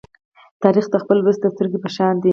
تاریخ د خپل ولس د سترگې په شان دی.